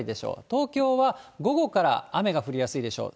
東京は午後から雨が降りやすいでしょう。